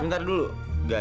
tunggu tunggu tunggu